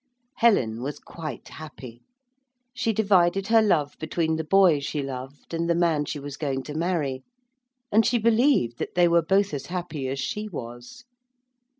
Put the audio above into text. Helen was quite happy. She divided her love between the boy she loved and the man she was going to marry, and she believed that they were both as happy as she was.